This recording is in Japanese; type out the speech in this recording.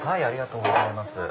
ありがとうございます。